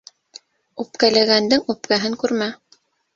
Үпкәләгәндең үпкәһен күрмә.